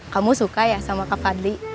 kamu suka ya sama kak fadli